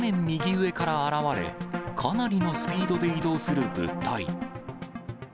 右上から現われ、かなりのスピードで移動する物体。